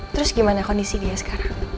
terus gimana kondisi dia sekarang